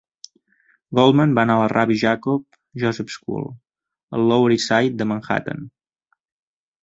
Goldman va anar a la Rabbi Jacob Joseph School, al Lower East Side de Manhattan.